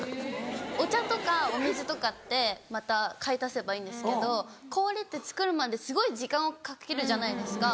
お茶とかお水とかってまた買い足せばいいんですけど氷って作るまですごい時間をかけるじゃないですか。